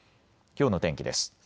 きょうの天気です。